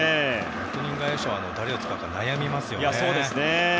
本当に外野手は誰を使うか悩みますね。